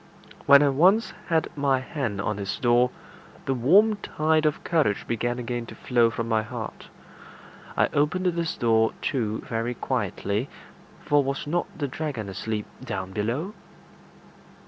When I once had my hand on his door, the warm tide of courage began again to flow from my heart. I opened this door too very quietly, for was not the dragon asleep down below?